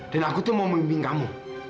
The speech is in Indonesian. dan aku itu mau memimpin kamu